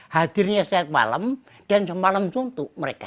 hadirnya setiap malam dan semalam suntuk mereka